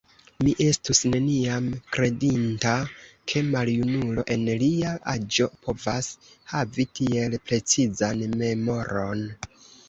Mi estus neniam kredinta, ke maljunulo en lia aĝo povas havi tiel precizan memoron.